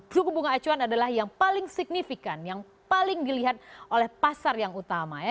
suku bunga acuan adalah yang paling signifikan yang paling dilihat oleh pasar yang utama ya